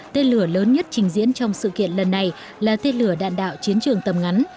tên lửa lớn nhất trình diễn trong sự kiện lần này là tên lửa đạn đạo chiến trường tầm ngắn